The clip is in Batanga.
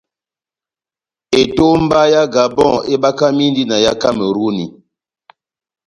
Etomba yá Gabon ebakamindi na yá Kameruni.